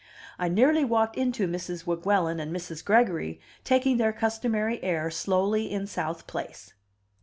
I nearly walked into Mrs. Weguelin and Mrs. Gregory taking their customary air slowly in South Place.